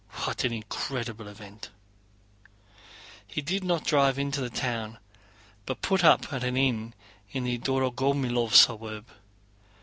"What an incredible event!" He did not drive into the town, but put up at an inn in the Dorogomílov suburb.